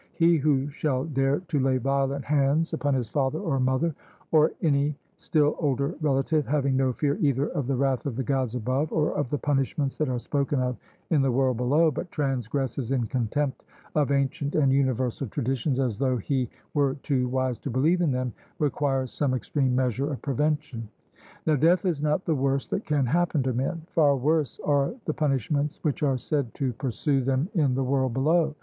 He who shall dare to lay violent hands upon his father or mother, or any still older relative, having no fear either of the wrath of the Gods above, or of the punishments that are spoken of in the world below, but transgresses in contempt of ancient and universal traditions as though he were too wise to believe in them, requires some extreme measure of prevention. Now death is not the worst that can happen to men; far worse are the punishments which are said to pursue them in the world below.